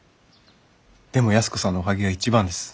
でも安子さんのおはぎが一番です。